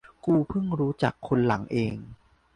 กูเพิ่งรู้จักคนหลังเอง